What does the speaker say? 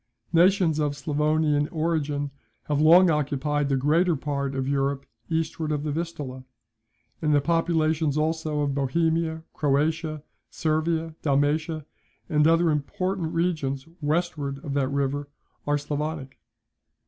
Nations of Sclavonian origin have long occupied the greater part of Europe eastward of the Vistula, and the populations also of Bohemia, Croatia, Servia, Dalmatia, and other important regions westward of that river, are Sclavonic.